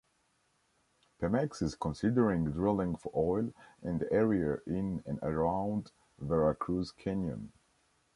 Pemex is considering drilling for oil in the area in and around Veracruz Canyon.